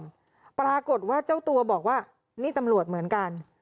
กลี้ยกล่อมปรากฏว่าเจ้าตัวบอกว่านี่ตำรวจเหมือนกัน